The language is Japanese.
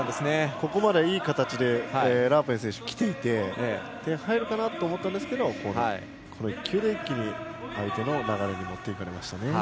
ここまでいい形でラープイェン選手きていて入るかなと思ったんですがこの１球で一気に相手の流れに持っていかれました。